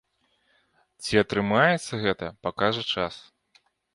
Ці атрымаецца гэта, пакажа час.